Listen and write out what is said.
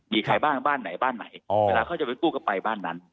มีใครบ้างบ้านไหนบ้านไหนเวลาเขาจะไปกู้ก็ไปบ้านนั้น